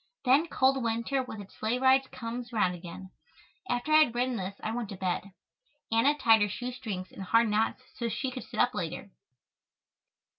Then cold winter with its sleigh rides comes round again." After I had written this I went to bed. Anna tied her shoe strings in hard knots so she could sit up later.